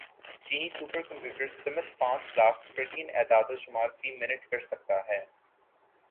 چینی super computer summit پانچ lakh trillion اعدادوشمار فی منٹ کر سکتا ہے